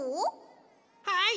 はい！